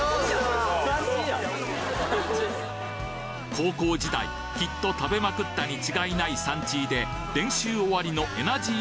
高校時代きっと食べまくったに違いないサンチーで練習終わりのエナジー